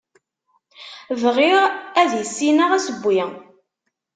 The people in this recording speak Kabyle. Bɣiɣ ad issineɣ asewwi.